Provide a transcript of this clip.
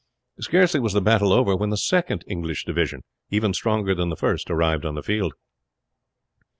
Scarcely was the battle over when the second English division, even stronger than the first, arrived on the field.